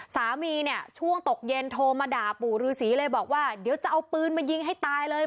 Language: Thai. สามีเนี่ยช่วงตกเย็นโทรมาด่าปู่ฤษีเลยบอกว่าเดี๋ยวจะเอาปืนมายิงให้ตายเลย